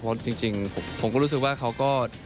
เพราะจริงผมก็รู้สึกว่าเขาก็